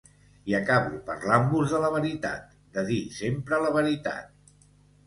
I acabo parlant-vos de la veritat, de dir sempre la veritat.